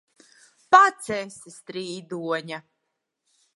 Pats esi strīdoņa!